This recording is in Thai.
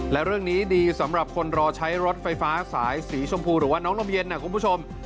และเรื่องนี้ดีสำหรับคนรอใช้รถไฟฟ้าสายสีชมพูหรือว่าน้องนมเย็นนะคุณผู้ชม